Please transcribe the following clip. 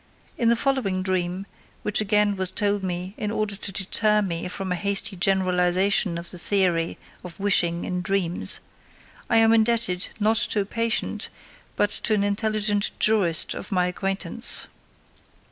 For the following dream, which again was told me in order to deter me from a hasty generalization of the theory of wishing in dreams, I am indebted, not to a patient, but to an intelligent jurist of my acquaintance.